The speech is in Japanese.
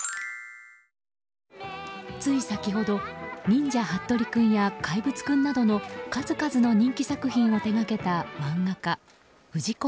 つい先ほど「忍者ハットリくん」や「怪物くん」などの数々の人気作品を手がけた漫画家藤子